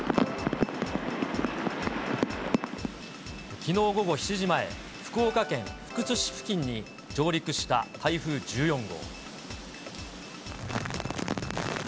きのう午後７時前、福岡県福津市付近に上陸した台風１４号。